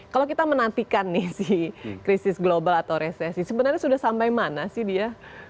kalau kita menantikan nih si krisis global atau resesi sebenarnya sudah sampai mana sih dia